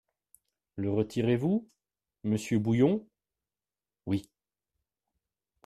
Le retirez-vous, monsieur Bouillon ? Oui.